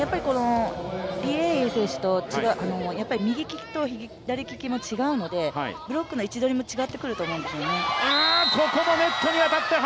リ・エイエイ選手と右利きと左利きも違うので、ブロックの位置取りも違ってくると思うんですよね。